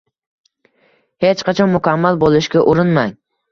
Hech qachon mukammal bo’lishga urinmang